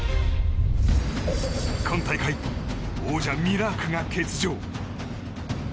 今大会、王者ミラークが欠場。